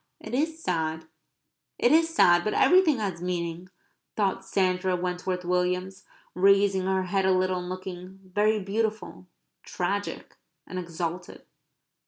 It is sad, it is sad. But everything has meaning," thought Sandra Wentworth Williams, raising her head a little and looking very beautiful, tragic, and exalted.